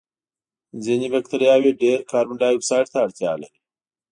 ځینې بکټریاوې ډېر کاربن دای اکسایډ ته اړتیا لري.